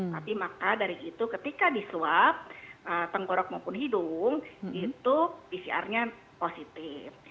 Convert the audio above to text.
tapi maka dari itu ketika disuap tenggorok maupun hidung itu pcr nya positif